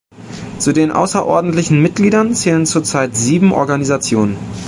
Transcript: Zu den außerordentlichen Mitgliedern zählen zurzeit sieben Organisationen.